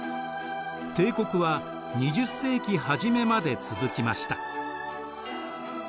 帝国は２０世紀初めまで続きました。